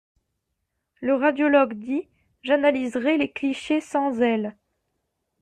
Le radiologue dit: j'analyserai les clichés sans zèle!